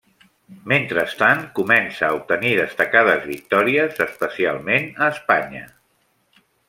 Mentrestant, comença a obtenir destacades victòries, especialment a Espanya.